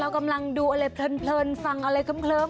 กำลังดูอะไรเพลินฟังอะไรเคลิ้ม